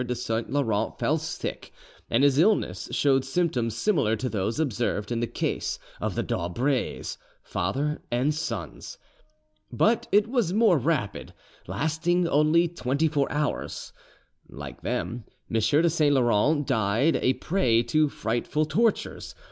de Saint Laurent fell sick, and his illness showed symptoms similar to those observed in the case of the d'Aubrays, father and sons; but it was more rapid, lasting only twenty four hours. Like them, M. de Saint Laurent died a prey to frightful tortures.